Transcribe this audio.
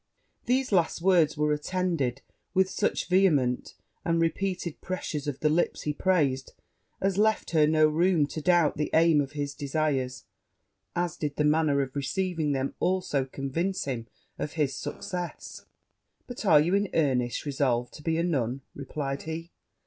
These last words were attended with such vehement and repeated pressures of the lips he praised, as left her no room to doubt the aim of his desires; as did the manner of her receiving them also convince him of his success. 'But are you in earnest, resolved to be a nun?' replied he.